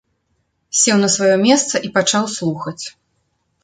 Сеў на сваё месца і пачаў слухаць.